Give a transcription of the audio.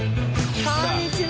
こんにちは。